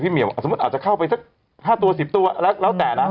พี่เหมียวอาจจะเข้าไปสัก๕ตัว๑๐ตัวแล้วแต่นะ